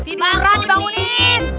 tidur orang dibangunin